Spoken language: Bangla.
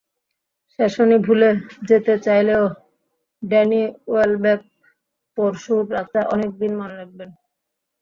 শেসনি ভুলে যেতে চাইলেও ড্যানি ওয়েলবেক পরশুর রাতটা অনেক দিন মনে রাখবেন।